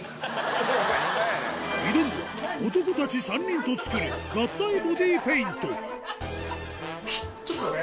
挑むは男たち３人と作る合体ボディペイントきっつ！